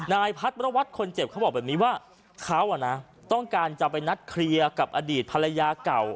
นายพัทรวัตรคนเจ็บเขาบอกแบบนี้ว่าเขาต้องการจะไปนัดเคลียร์กับอดีตภรรยาเก่า